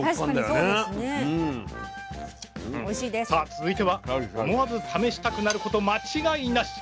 さあ続いては思わず試したくなること間違いなし。